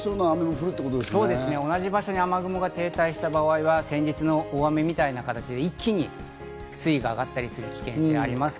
同じ場所に雨雲が停滞した場合は先日の大雨みたいな形で、一気に水位が上がったりする危険性があります。